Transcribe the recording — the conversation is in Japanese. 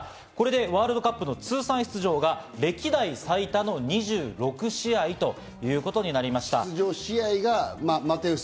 ワールドカップの通算出場が歴代最多の２６試合ということになりました。